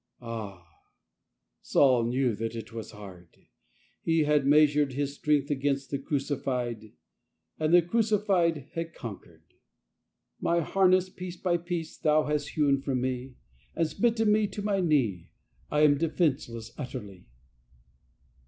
Ah, Saul knew that it was hard. He had measured his strength against the Crucified, and the Crucified had conquered. ' My harness piece by piece Thou hast hewn from me, And smitten me to my knee, I am defenceless utterly."